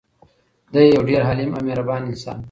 دی یو ډېر حلیم او مهربان انسان و.